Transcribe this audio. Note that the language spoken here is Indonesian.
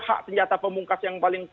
hak senjata pemungkas yang paling